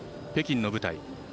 北京の舞台。